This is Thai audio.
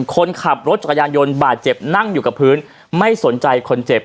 คนขับรถจักรยานยนต์บาดเจ็บนั่งอยู่กับพื้นไม่สนใจคนเจ็บ